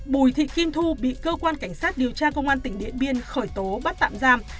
bùi thị kim thu bị cơ quan cảnh sát điều tra công an tỉnh điện biên khởi tố bắt tạm giam